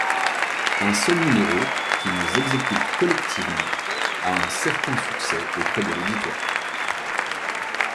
Un seul numéro, qu'ils exécutent collectivement, a un certain succès auprès de l'auditoire.